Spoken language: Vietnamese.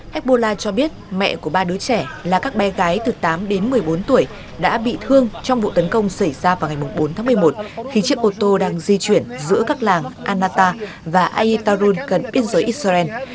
hezbollah cho biết mẹ của ba đứa trẻ là các bé gái từ tám đến một mươi bốn tuổi đã bị thương trong vụ tấn công xảy ra vào ngày bốn tháng một mươi một khi chiếc ô tô đang di chuyển giữa các làng anata và aitarun gần biên giới israel